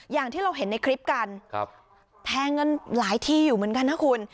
อย่างที่เราเห็นในคลิปกันแทงกันหลายทีอยู่เหมือนกันนะคุณ